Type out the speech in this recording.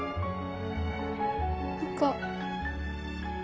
何か。